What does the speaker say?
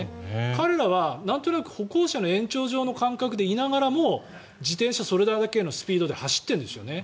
彼らはなんとなく歩行者の延長上の感覚でいながらも自転車で、それだけのスピードで走ってるんですよね。